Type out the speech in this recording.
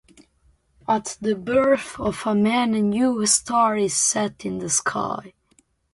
At the birth of a man a new star is set in the sky.